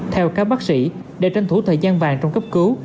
theo các bác sĩ để tranh thủ thời gian vàng trong cấp cứu